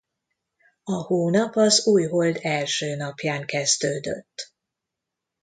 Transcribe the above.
A hónap az újhold első napján kezdődött.